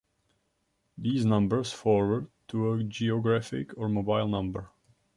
These numbers "forward" to a geographic or mobile number.